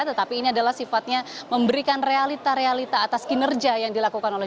tetapi ini adalah sifatnya memberikan realita realita atas kinerja yang dilakukan oleh